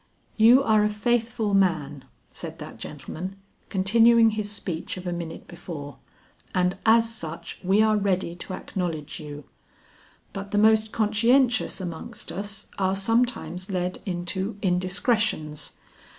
"You are a faithful man," said that gentleman, continuing his speech of a minute before, "and as such we are ready to acknowledge you; but the most conscientious amongst us are sometimes led into indiscretions.